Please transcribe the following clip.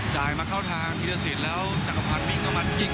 จ่ายมาเข้าทางอิเดแล้วจักรพันธ์มิงมันยิงกลอบบนั้นครับ